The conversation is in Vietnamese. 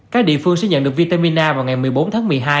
các địa phương sẽ nhận được vitamin a vào ngày một mươi bốn tháng một mươi hai